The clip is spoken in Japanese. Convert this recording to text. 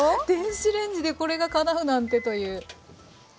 電子レンジでこれがかなうなんてという。